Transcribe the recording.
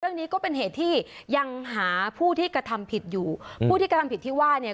ก็เป็นเหตุที่ยังหาผู้ที่กระทำผิดอยู่ผู้ที่กระทำผิดที่ว่าเนี่ย